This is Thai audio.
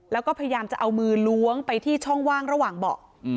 แล้วก็พยายามจะเอามือล้วงไปที่ช่องว่างระหว่างเบาะ